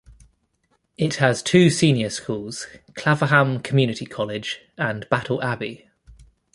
It has two senior schools: Claverham Community College and Battle Abbey.